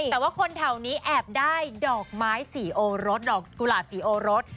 แต่ว่าคนแถวนี้แอบได้ดอกไม้สีโอรสดอกกุหลาบสีโอรส